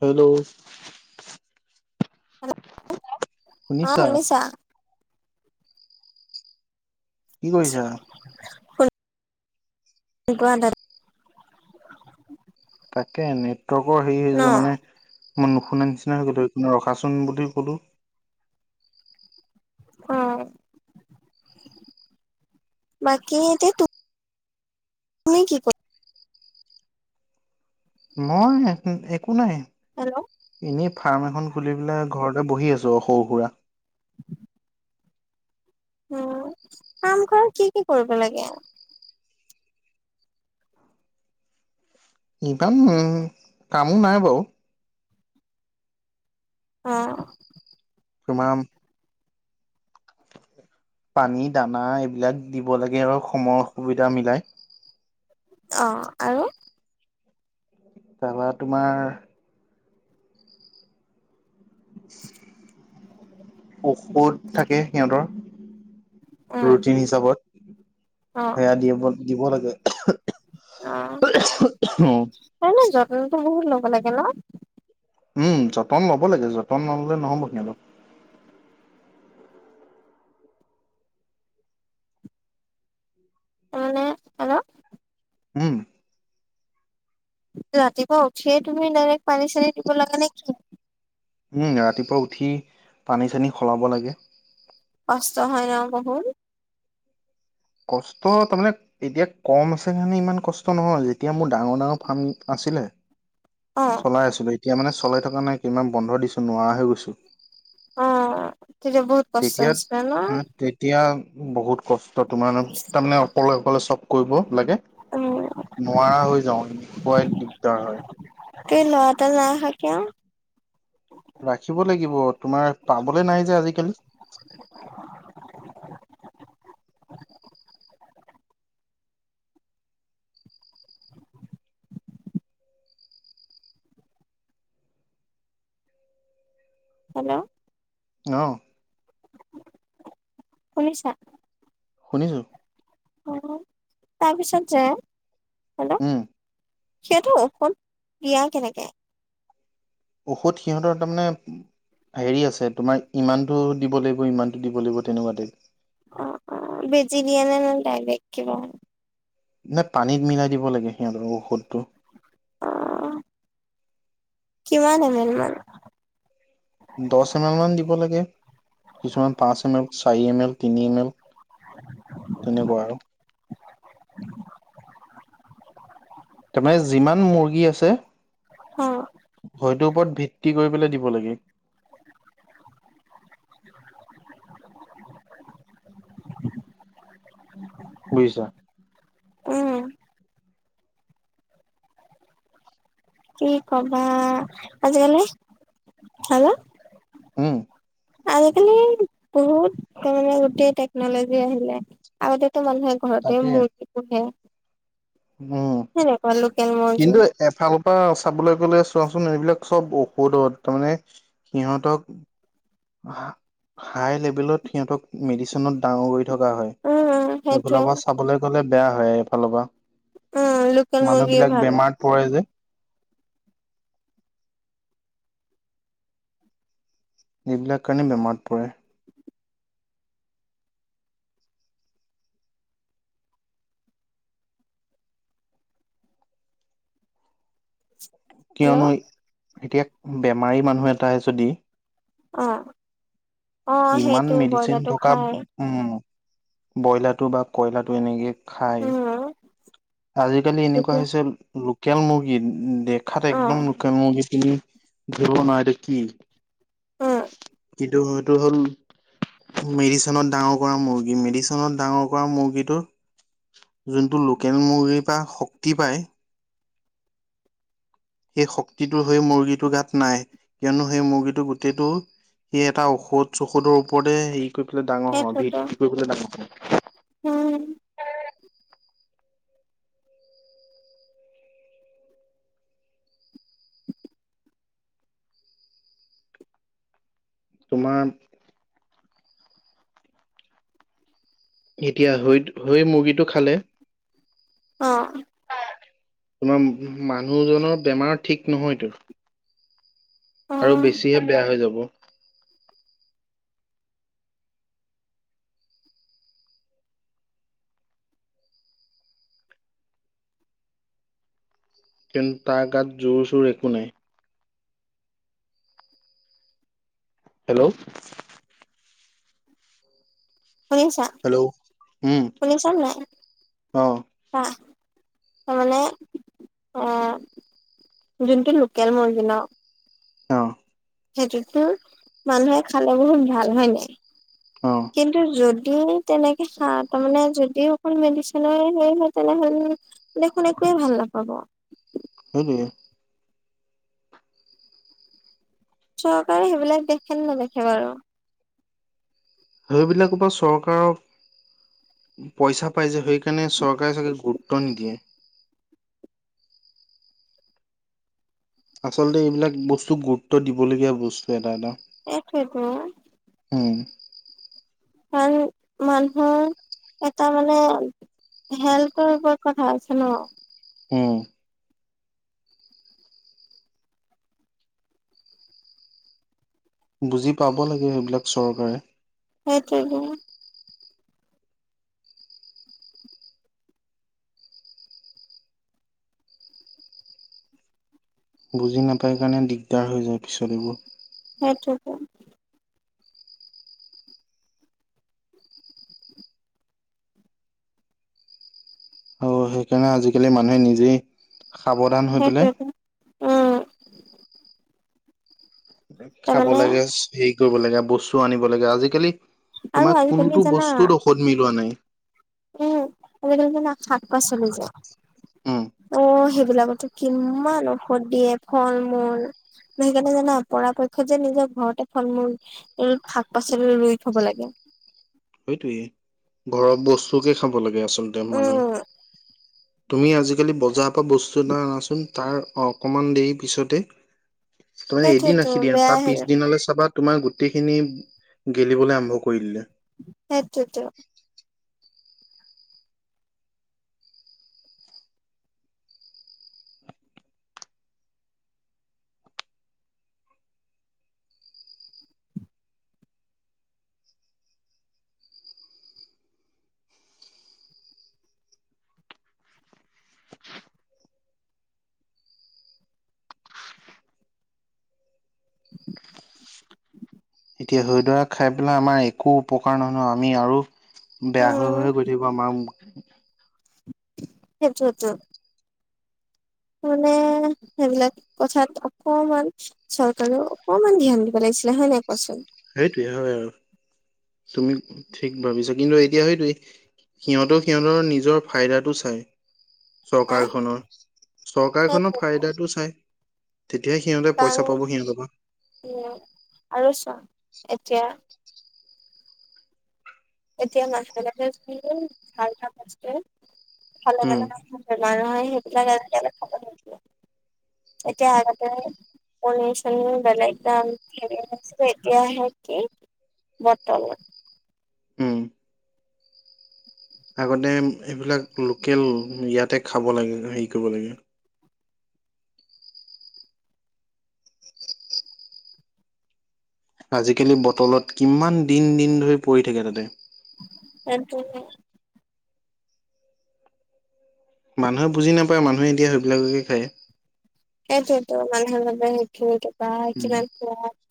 Hello? Hello অ, শুনিছা? কি কৰিছা? [unintelligible] তাকে নেটৱৰ্কৰ হেৰি ন হৈছে মানে মই নুশুনা নিচিনা হৈ গ'লো, [inaudible] ৰখাচোন বুলি ক'লো। অ'। বাকী এতিয়া তুম তুমি কি ক মই একো, একো নাই। হেল্ল'? এনেই ফাৰ্ম এখন খুলি পেলাই ঘৰতে বহি আছোঁ আউ সৰু সুৰা। উম, কাম ঘৰত কি কি কৰিব লাগে? ইনকাম কামো নাই বাৰু। অ'। তোমাৰ পানী দানা এইবিলাক দিব লাগে আৰু সময় সুবিধা মিলাই। অ', আৰু? তাৰপৰা তোমাৰ ঔষধ থাকে সিহঁতৰ। উম ৰুটিন হিচাপত অ সেয়া দিয়েব দিব লাগে। অ'। এনে যত্নতো বহুত ল'ব লাগে ন? উম, যতন ল'ব লাগে। যতন নললে নহ'ব সিহঁতক। মানে হেল্ল'? উম। ৰাতিপুৱা উঠিয়ে তুমি ডাইৰেক পানী-চানী দিব লাগে নে কি? উম, ৰাতিপুৱা উঠি পানী চানী সলাব লাগে। কষ্ট হয় ন বহুত? কষ্ট তাৰমানে এতিয়া কম আছে কাৰণে ইমান কষ্ট নহয়, যেতিয়া মোৰ ডাঙৰ ডাঙৰ ফাৰ্ম আছিলে অ'। চলাই আছো এতিয়া মানে চল থকা নাই কিমান বন্ধ দিছো নোৱাৰা হৈ গৈছো। অ', তেতিয়া বহুত কষ্ট তেতিয়া হৈছিলে ন? আহ তেতিয়া বহুত কষ্ট তোমাৰ তাৰমানে অকলে অকলে চব কৰিব লাগে। উম নোৱাৰা হৈ যাওঁ [unintelligible] দিগদাৰ হয়। তাকে ল'ৰা এটা নাইৰখা কিয়? ৰাখিব লাগিব। তোমাৰ পাবলৈ নাই যে আজিকালি। হেল্ল'? অহ শুনিছা? শুনিছো। অ', তাৰপিছত যে উম। সেইটো ঔষধ দিয়া কেনেকে? ঔষধ সিহঁতৰ তাৰমানে হেৰি আছে তোমাৰ ইমানটো দিব লাগিব ইমানটো দিব লাগিব তেনেকুৱা টাইপ। অ', অ', বেজি দিয়ে নাই ডাইৰেক্ট কিবা? নাই পানীত মিলাই দিব লাগে সিহঁতৰক ঔষধটো। অ'। কিমান এম এল মান? দহ এম এল মান দিব লাগে কিছুমান পাঁচ এম এল চাৰি এম এল তিনি এম এল। তেনেকুৱা আৰু। তাৰমানে যিমান মুৰ্গী আছে অ'। হয়টোৰ ওপৰত ভিত্তি কৰি পেলাই দিব লাগে। [inaudible] বুজিছা? উম। কি ক'বা, আজিকালি আৰু উম। আজিকালি বহুত ত' মানে গোটেই টেকন'লজি আহিলে। আগতেতো মানুহে ঘৰতে তাকে মূৰ্তি পোহে। উম, সেনেকুৱা লোকেল মুৰ্গী কিন্তু এফালৰপৰা চাবলৈ গ'লে চোৱাচোন এইবিলাক চব ঔষধত তাৰমানানে সিহঁতক হাই লেভেলত সিহঁতক মেডিচিনত ডাঙৰ কৰি থকা হয়। উম উম সেইটোয়ে এইফালৰপৰা চাবলৈ গ'লে বেয়া হয়। এইফালৰ পৰা উম লোকেল মুৰ্গীয়ে মানুহবিলাক ভাল বেমাৰত পৰে যে। এইবিলাকৰ কাৰণে বেমাৰত পৰে। হেল্ল' কিয়নো এতিয়া বেমাৰী মানুহ এটাই যদি অ', অ, ইমান সেইটোই মেডিচিন বইলাৰটো থকা খাই। উম, ব্ৰইলাৰটো বা কইলাৰটো এনেকে খাই উম আজিকালি এনেকুৱা তেতিয়া হৈছে লোকেল মুৰ্গী উ দেখাত অ একদম লোকেল মূৰ্গীখিনি ধৰিব নোৱাৰে এইটো কি। উম। টো এইটো হ'ল মেডিচনত ডাঙৰ কৰা মুৰ্গী। মেডিচনত ডাঙৰ কৰা মুৰ্গীটো যোনটো লোকেল মুগীৰপৰা শক্তি পায় [inaudible] সেই শক্তিটোৰ সেই মুৰ্গীটোৰ গাত নাই, কিয়নো সেই মুৰ্গীটো গোটেইটো সি এটা ঔষধ চৌষধৰ ওপৰতে হেৰি কৰি পেলাই ডাঙৰ হয়, ভিত্তি কৰি পেলাই ডাঙৰ হয়। হুম। তোমাৰ এতিয়া হৈ হৈ মুৰ্গীটো খালে অ'। তোমাৰ মানুহজনৰ বেমাৰ ঠিক নহয়তো। আৰু অ', বেছিহে বেয়া হৈ যাব। কিন্তু তাৰ গাত জোৰ চোৰ একো নাই। হেল্ল'। শুনিছা? হেল্ল' উম শুনিছানে নাই? অ অ আ, মানে অ'। যোনটো লোকেল মুৰ্গী ন' সেইটোতো মানুহে খালে বহুত ভাল হয় নাই? অ'। কিন্তু যদি তেনেকে সাৰ মানে যদি অকল মেডিচিনে হেৰি হয় তেনেহ'লে দেখোন একোৱে ভাল নাপাব। সেইটোৱে। চৰকাৰে সেইবিলাক দেখে নে নেদেখে বাৰু? সেইবিলাকৰ পৰা চৰকাৰক পইচা পাই যে সেইকাৰণে চৰকাৰে চাগে গুৰুত্ব নিদিয়ে। আচলতে এইবিলাক বস্তু গুৰুত্ব দিবলগীয়া বস্তু এটা এটা। এইটোৱেটো। উম আৰু মানহৰ এটা মানে হেল্থৰ ওপৰত কথা আছে ন। উম। বুজি পাব লাগে সেইবিলাক চৰকাৰে। সেইটোৱেটো। বুজি নাপায় কাৰণে দিগদাৰ হৈ যায় পিছত এইবোৰ। সেইটোৱেটো। অ সেইকাৰণে আজিকালি মানুহে নিজেই সাৱধান হৈ পেলাই সেইটোৱেটো উম খাব তাৰমানে লাগে হেৰি কৰিব লাগে বস্তু আনিব লাগে আজিকালি আৰু তোমাৰ আজিকালি কোনটো জানা বস্তুত ঔষধ মিলোৱা নাই? উম [unintelligible] শাক পাচলি যে উম অ' সেইবিলাকতো কিম্মান ঔষধ দিয়ে ফল মূল। সেইকাণে জানা পৰাপক্ষত যে নিজৰ ঘৰতে ফল মূল এই শাক পাচলি ৰুই খাব লাগে। সেইটোয়ে ঘৰৰ বস্তুকে খাব লাগে আচলতে উম মানুহে। তুমি আজিকালি বজাৰৰ পৰা বস্তু এটা অনাচোন তাৰ অকনমান দেৰি পিছতে তুমি এদিন সেইটোয়েতো ৰাখি দিয়া বেয়া তাৰ পিছদিনলৈ চাবা তোমাৰ গোটেইখিনি গেলিবলৈ আৰম্ভ কৰি দিলে। সেটোৱেটো। এতিয়া ধৰিলোৱা খাই পেলাই আমাৰ একো উপকাৰ নহয় ন আমি আৰু বেয়া হৈ উম হৈ গৈ থাকিব আমাৰ সেইটোৱেটো। মানে সেইবিলাক কথাত অকমান চৰকাৰে অকমান ধ্যান দিব লাগিছিলে হয় নাই কোৱাচোন? সেইটোৱে হয় আৰু তুমি ঠিক ভাবিছা কিন্তু এতিয়া সেইটোৱেই। সিহঁতেও সিহঁতৰ নিজৰ ফাইদাটো চাই। হা চৰকাৰখনৰ, চৰকাৰখনৰ সেইটোৱেতো ফাইদাটো চাই। তেতিয়া সিহঁতে পইচা কাৰণ পাব সিহঁতৰ পাৱা। উম, আৰু চোৱা এতিয়া এতিয়া [unintelligible] মানুহে সেইবিলাক আজিকালি উম চাব লাগিব এতিয়া আগতে [unintelligible] এতিয়া আহে কি? [unintelligible] উম আগতে এইবিলাক লোকেল ইয়াতে খাব লাগে হেই কৰিব লাগে। আজিকালি বটলত কিমান দিন দিন ধৰি পৰি থাকে তাতে। সেটোৱে। মানুহে বুজি নাপায় মানুহে এতিয়া সেইবিলাককে খায়। সেইটোৱতো মানহে সেইখিনিকে বা কিমান সোৱাদ।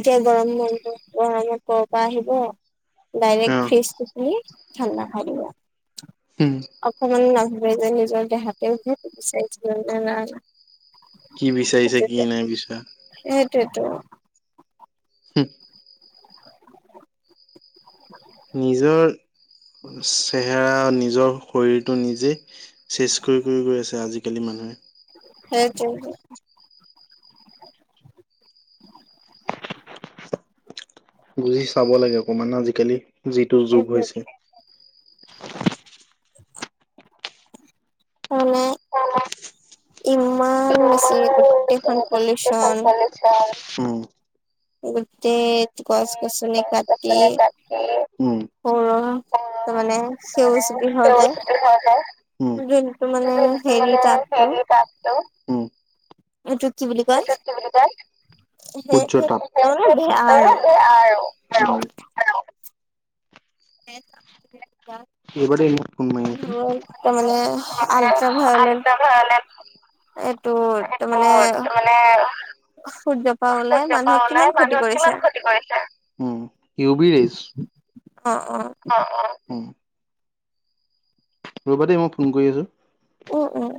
এতিয়া গৰম বন্ধ গৰমত ক'ৰ পৰা আহিব অ ডাইৰেক্ট ফ্ৰিজটো খুলি ঠাণ্ডা খাই দিব। উম। অকমান নাভাবে যে নিজৰ দেহাতেৱে কি বিচাৰিছে নে নাই কি বিচাৰিছে কি নাই বিচৰা। সেইটোৱেটো। শুহ। [inaudible] নিজৰ চেহেৰা নিজৰ শৰীৰটো নিজেই চেচ কৰি কৰি গৈ আছে আজিকালি মানুহে। সেইটোৱেটো। বুজি চাব লাগে অকণমান আজিকালি যিটো যুগ সেইটোৱে হৈছে। মানে ইমান উম। বেছি উম। গোটেইখন পলিউচন। উম। গোটেই গছ গছ কাটি উম। সৰু তাৰ মানে সেউজ গৃহ যে! হয়, হয়। যোনটো মানে হেৰি তাতো তাততো, হম। টো কি বুলি কয়! তাপ। সেইটোৱে বেয়া আৰু। [inaudible] উম, এইবাৰ মোক ফোন [inaudible] মাৰি আছে। মানে মানে আলট্ৰা ভায়েল আলিকা ভয়ালে এইটো তাৰ মানে সেইটো সূৰ্য সূৰ্য পৰা ওলাই মানুহক কিমান ক্ষতি কৰিছে। U V rays. অ', অ'। অ', অ', উম। ৰ'বাদেই মই ফোন কৰি আছো। উম, উম।